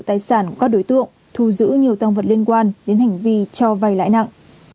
tài sản của các đối tượng thu giữ nhiều tăng vật liên quan đến hành vi cho vay lãi nặng